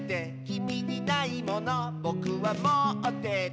「きみにないものぼくはもってて」